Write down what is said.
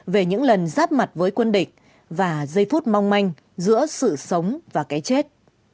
về những lần giáp mặt với quân địch và giây phút mong manh giữa sự sống và cái chết